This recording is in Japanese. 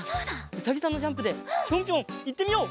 うさぎさんのジャンプでぴょんぴょんいってみよう！